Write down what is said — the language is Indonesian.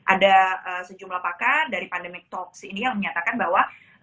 ada sejumlah pakar dari pandemic talks ini yang menyatakan bahwa